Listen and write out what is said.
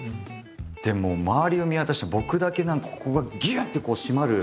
でもう周りを見渡して僕だけ何かここがぎゅって閉まる。